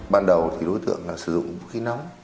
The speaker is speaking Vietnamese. ban đầu thì đối tượng là sử dụng khí nóng